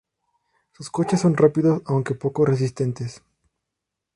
Sus coches son rápidos, aunque poco resistentes.